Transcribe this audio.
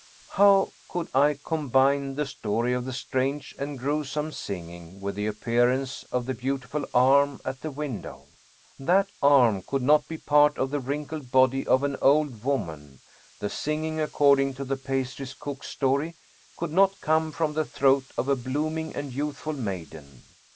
How could I combine the story of the strange and grewsome singing with the appearance of the beautiful arm at the window? That arm could not be part of the wrinkled body of an old woman; the singing, ac cording to the pastry cook's story, could not come from the throat of a blooming and youthful maiden.